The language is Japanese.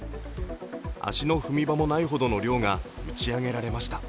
足の踏み場もないほどの量が打ち上げられました。